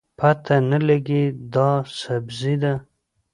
پته نه لګي دا سبزي ده